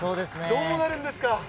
どうなるんですか？